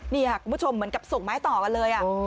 นี่ค่ะคุณผู้ชมเหมือนกับส่งไม้ต่อกันเลย